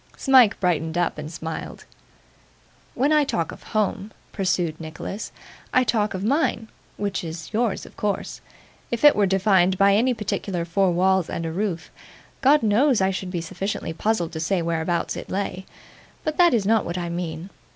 Smike brightened up and smiled. 'When I talk of home,' pursued Nicholas, 'I talk of mine which is yours of course. If it were defined by any particular four walls and a roof, God knows I should be sufficiently puzzled to say whereabouts it lay; but that is not what I mean.